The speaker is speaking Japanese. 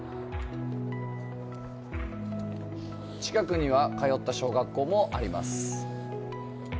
近くには、通った小学校もあります。